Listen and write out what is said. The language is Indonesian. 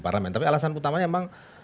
parlemen tapi alasan utamanya memang